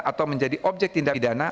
atau menjadi objek tindak pidana